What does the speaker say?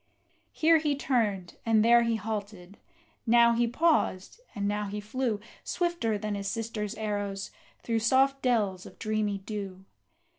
Here he turned, and there he halted, now he paused, and now he flew, Swifter than his sister's arrows, through soft dells of dreamy dew.